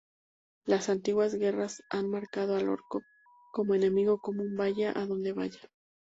Las antiguas guerras han marcado al Orco como enemigo común valla a donde valla.